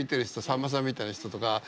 さんまさんみたいな人とか。